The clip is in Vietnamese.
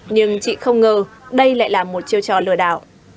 nhưng chị không ngờ đây lại là một chiêu trò lừa đảo